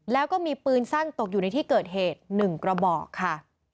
แล้วก็มีปืนสั้นตกอยู่ในที่เกิดเหตุ๑กระบอกค่ะ